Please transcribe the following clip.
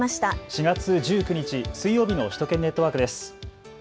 ４月１９日、水曜日の首都圏ネットワークです。